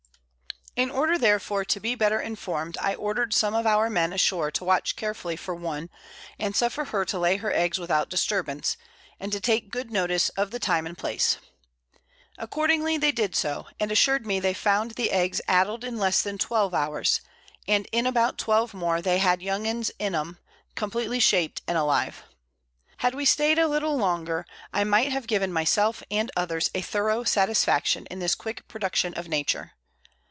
In order therefore to be better informed, I order'd some of our Men ashore to watch carefully for one, and suffer her to lay her Eggs without disturbance, and to take good notice of the Time and Place. Accordingly they did so, and assur'd me they found the Eggs addled in less than 12 Hours, and in about 12 more they had young ones in 'em, compleatly shap'd, and alive. Had we staid a little longer, I might have given my self and others a thorough Satisfaction in this quick Production of Nature.